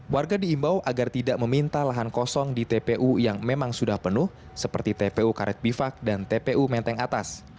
warga diimbau agar tidak meminta lahan kosong di tpu yang memang sudah penuh seperti tpu karet bifak dan tpu menteng atas